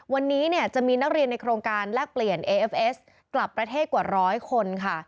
วันนี้เนี่ยจะมีนักเรียนในโครงการแลกเปลี่ยนเอเอฟเอสกลับประเทศกว่าร้อยคนค่ะ